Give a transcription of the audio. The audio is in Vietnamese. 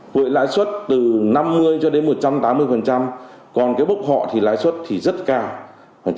với lãi suất từ năm mươi cho đến một trăm tám mươi còn cái bốc họ thì lãi suất thì rất cao